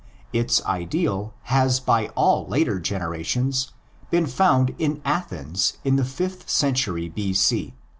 Its ideal has by all later generations been found in Athens in the fifth century p.c.